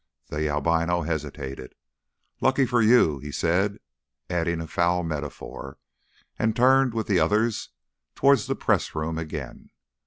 The albino hesitated. "Lucky for you," he said, adding a foul metaphor, and turned with the others towards the press room again.